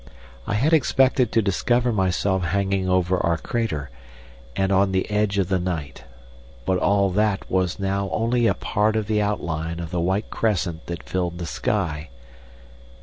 I had expected to discover myself hanging over our crater, and on the edge of the night, but all that was now only a part of the outline of the white crescent that filled the sky.